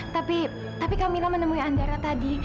tapi tapi kak mina menemui andara tadi